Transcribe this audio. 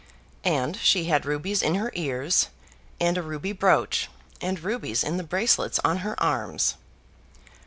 And she had rubies in her ears, and a ruby brooch, and rubies in the bracelets on her arms.